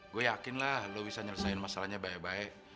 gue yakin lah lo bisa nyelesain masalahnya baik baik